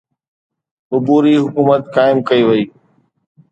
عبوري حڪومت قائم ڪئي وئي.